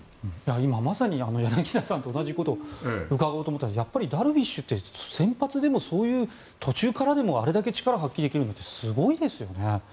今まさに同じことを伺おうと思ったんですがやっぱりダルビッシュって先発でも途中からでもあれだけ力が発揮できるってすごいですよね。